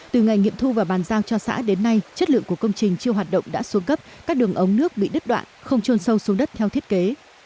từ ngày nghiệm thu và bàn giao cho xã đến nay chất lượng của công trình chưa hoạt động đã xuống cấp các đường ống nước bị đứt đoạn không trôn sâu xuống đất theo thiết kế